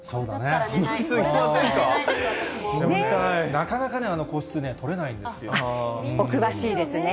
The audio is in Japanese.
なかなかね、個室取れないんお詳しいですね。